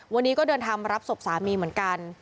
วันนี้ก็เดินทางมารับศพสามีเหมือนกัน